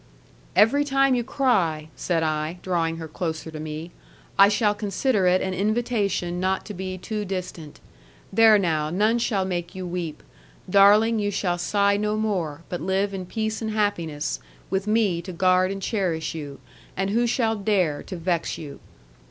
'Every time you cry,' said I, drawing her closer to me 'I shall consider it an invitation not to be too distant. There now, none shall make you weep. Darling, you shall sigh no more, but live in peace and happiness, with me to guard and cherish you: and who shall dare to vex you?'